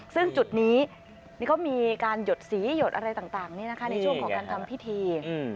ซึ่งจุดนี้เขามีการหยดสีหยดอะไรต่างในช่วงของการทำพิธี